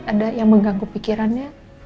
ada yang mengganggu pikirannya